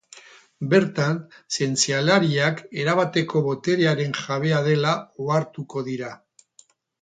Bertan, zientzialariak erabateko boterearen jabea dela ohartuko dira.